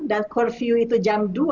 dan curfew itu jam dua